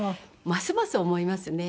ますます思いますね。